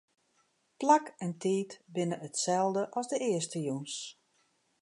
Plak en tiid binne itselde as de earste jûns.